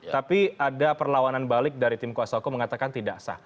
tapi ada perlawanan balik dari tim kuasa hukum mengatakan tidak sah